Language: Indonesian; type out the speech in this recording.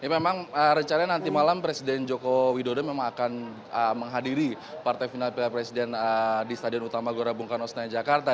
memang rencana nanti malam presiden jokowi dodeh akan menghadiri partai final piala presiden di stadion utama gorabungkan osnaya jakarta